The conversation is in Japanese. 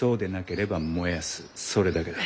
それだけだ。